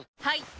はい！